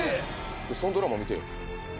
そのドラマ見て。